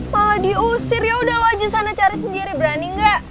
malah diusir yaudah lo aja sana cari sendiri berani gak